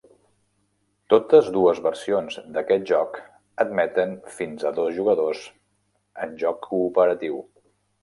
Totes dues versions d'aquest joc admeten fins a dos jugadors en joc cooperatiu.